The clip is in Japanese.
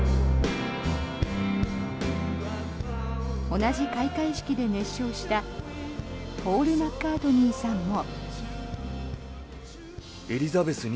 同じ開会式で熱唱したポール・マッカートニーさんも。